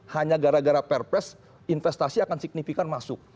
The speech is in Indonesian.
hanya gara gara perpres investasi akan signifikan masuk